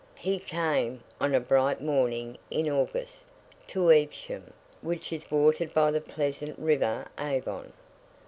He came, on a bright morning in August, to Evesham, which is watered by the pleasant river Avon.